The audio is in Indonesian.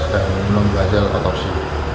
dan membasel otopsi